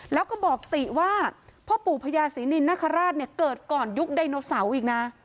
แล้วก็บอกติว่าพ่อปู่พญาศรีนินนคราชเนี่ยเกิดก่อนยุคไดโนเสาร์อีกนะ